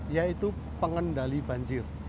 yaitu pengendali banjir